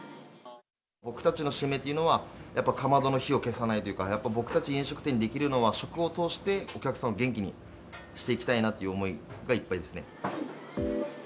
僕たちの使命っていうのは、かまどの火を消さないというか、やっぱ僕たち飲食店にできるのは、食を通してお客さんを元気にしていきたいなっていう思いがいっぱ